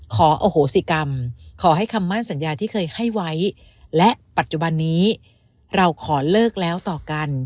ขออโหสิกรรมขอให้คำมั่นสัญญาที่เคยให้ไว้และปัจจุบันนี้เราขอเลิกแล้วต่อกัน